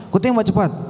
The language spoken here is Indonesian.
kau tembak cepat